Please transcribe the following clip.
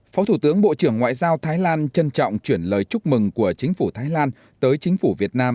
phó thủ tướng bộ trưởng ngoại giao thái lan trân trọng chuyển lời chúc mừng của chính phủ thái lan tới chính phủ việt nam